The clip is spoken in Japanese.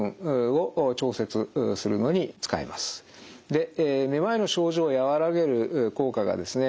これもでめまいの症状を和らげる効果がですね